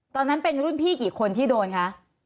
ตอนนั้นเป็นรุ่นพี่กี่คนที่โดนคะ